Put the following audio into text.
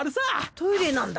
トイレなんだ。